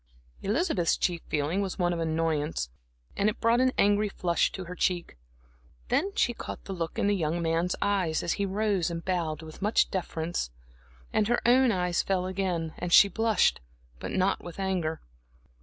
Elizabeth's chief feeling was one of annoyance, and it brought an angry flush to her cheek. Then she caught the look in the young man's eyes, as he rose and bowed with much deference; and her own eyes fell and again she blushed, but not with anger.